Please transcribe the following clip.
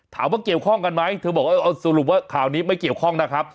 ถามว่าเกี่ยวข้องกันไหมเธอบอกว่าเอาสรุปว่าข่าวนี้ไม่เกี่ยวข้องนะครับ